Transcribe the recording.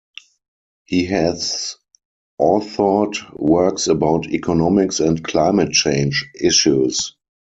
He has authored works about economics and climate change issues.